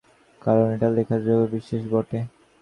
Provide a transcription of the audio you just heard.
তাঁর এই বদান্যতার গল্প লেখার কারণ এটা লেখার যোগ্য বিষয়ই বটে।